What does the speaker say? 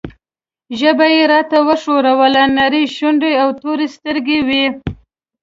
ژبه یې راته وښوروله، نرۍ شونډې او تورې سترګې یې وې.